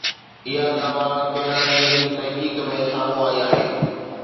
اها دعويٰ ڪينيڊا جي هڪ تحقيق ۾ سامهون آئي آهي